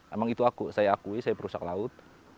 emang itu aku saya akui saya perusak laut